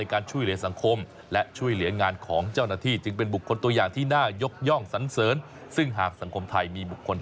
ครับแล้วช่วยเหลือสังคม